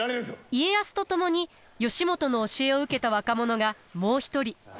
家康と共に義元の教えを受けた若者がもう一人。